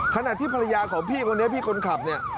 ขณะที่ภรรยาของพี่พี่กลขับเนี่ย